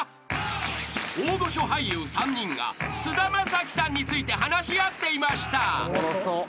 ［大御所俳優３人が菅田将暉さんについて話し合っていました］